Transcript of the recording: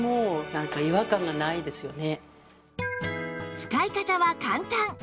使い方は簡単